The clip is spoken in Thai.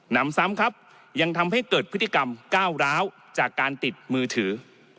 นำซ้ำครับยังทำให้เกิดพฤติกรรมก้าวร้าวจากการติดมือถือ